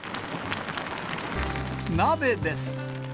鍋です。